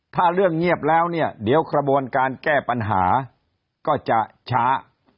ถ้าเรื่องเงียบแล้วเนี่ยเดี๋ยวกระบวนการแก้ปัญหาก็จะช้า